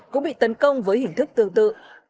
cũng bị tấn công với hình thức tương tự